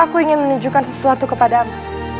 aku ingin menunjukkan sesuatu kepada kamu